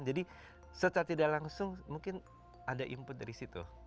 jadi setelah tidak langsung mungkin ada input dari situ